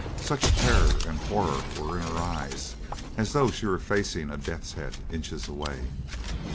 Such terror and horror were in her eyes as though she were facing a death's head inches away.